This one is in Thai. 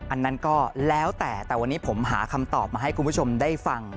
อันนั้นก็แล้วแต่แต่วันนี้ผมหาคำตอบมาให้คุณผู้ชมได้ฟัง